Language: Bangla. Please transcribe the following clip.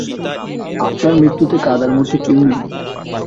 আপনার মৃত্যুতে কাঁদার মতো কেউ নেই।